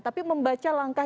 tapi membaca langkah